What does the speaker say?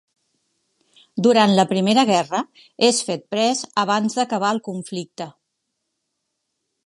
Durant la primera guerra és fet pres abans d'acabar el conflicte.